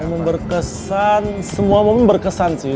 memang berkesan semua momen berkesan sih